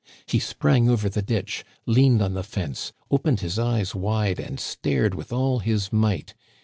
He sprang over the ditch, leaned on the fence, opened his eyes wide, and stared with all his might.